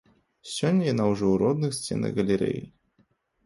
Сёння яна ўжо ў родных сценах галерэі.